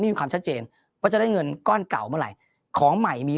มีความชัดเจนว่าจะได้เงินก้อนเก่าเมื่อไหร่ของใหม่มี